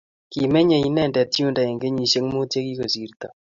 Kimenyei inendet yundo eng' kenyishek muut chekikosirto